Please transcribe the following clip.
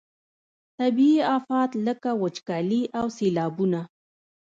طبیعي آفات لکه وچکالي او سیلابونه.